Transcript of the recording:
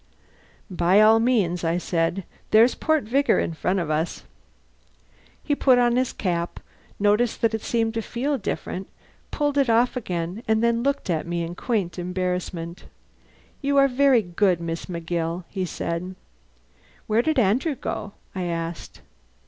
"By all means," I said. "There's Port Vigor in front of us." He put on his cap, noticed that it seemed to feel different, pulled it off again, and then looked at me in a quaint embarrassment. "You are very good, Miss McGill," he said. "Where did Andrew go?" I asked.